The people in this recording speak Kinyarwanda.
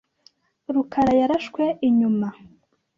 rukarayarashwe inyuma.